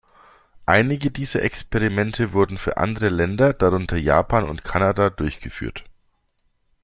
Einige dieser Experimente wurden für andere Länder, darunter Japan und Kanada, durchgeführt.